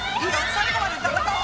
最後まで闘おう。